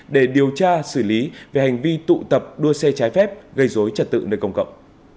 để điều tra xử lý về hành vi tụ tập đua xe trái phép gây dối trật tự nơi công cộng